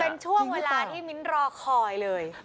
เป็นช่วงเวลาที่มิ้นรอคอยเลย